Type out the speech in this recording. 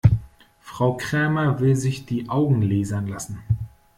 Frau Krämer will sich die Augen lasern lassen.